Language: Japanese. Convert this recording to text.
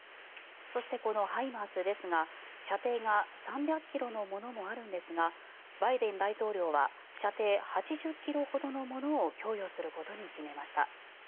そしてこのＨＩＭＡＲＳですが射程が３００ｋｍのものもあるんですがバイデン大統領は射程８０ｋｍほどのものを供与することに決めました。